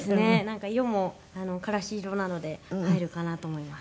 なんか色もからし色なので映えるかなと思います。